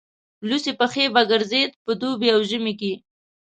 لوڅې پښې به ګرځېد په دوبي او ژمي کې.